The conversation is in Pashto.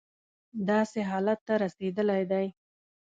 داسې حالت ته رسېدلی دی.